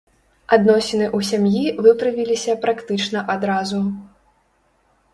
Адносіны ў сям'і выправіліся практычна адразу.